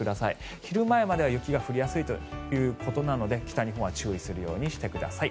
昼前までは雪が降りやすいということなので北日本は注意するようにしてください。